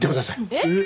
えっ！？